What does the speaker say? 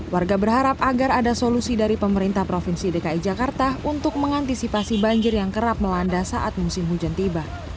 warga berharap agar ada solusi dari pemerintah provinsi dki jakarta untuk mengantisipasi banjir yang kerap melanda saat musim hujan tiba